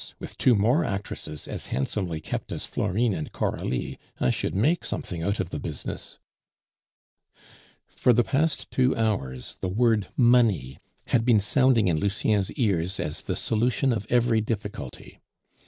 With two more actresses as handsomely kept as Florine and Coralie, I should make something out of the business." For the past two hours the word money had been sounding in Lucien's ears as the solution of every difficulty.